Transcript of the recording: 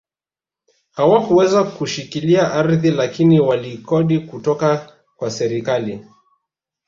Hawakuweza kushikilia ardhi lakini waliikodi kutoka kwa serikali